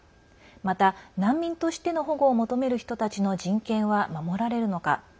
また、難民としての保護を求める人たちの人権は守られるのか。